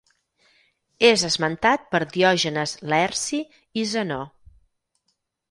És esmentat per Diògenes Laerci i Zenó.